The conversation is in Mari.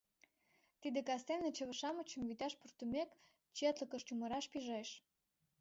Тиде кастене чыве-шамычым, вӱташ пуртымек, четлыкыш чумыраш пижеш.